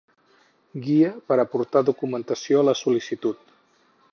Guia per aportar documentació a la sol·licitud.